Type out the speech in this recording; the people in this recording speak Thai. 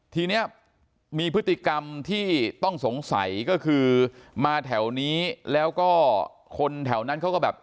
ทีนี้มีพฤติกรรมที่ต้องสงสัยก็คือมาแถวนี้แล้วก็คนแถวนั้นเขาก็แบบ